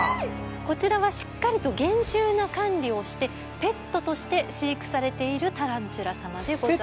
こちらはしっかりと厳重な管理をしてペットとして飼育されているタランチュラ様でございます。